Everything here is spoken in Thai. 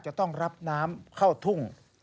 จะต้องรับน้ำเข้าทุ่ง